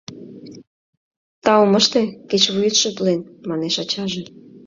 — Таум ыште, кеч вуетше утлен, — манеш ачаже.